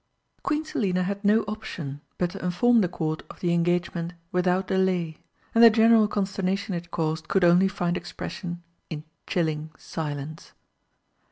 Queen Selina had no option but to inform the Court of the engagement without delay, and the general consternation it caused could only find expression in chilling silence.